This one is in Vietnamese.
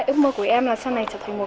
ước mơ của em là sau này trở thành một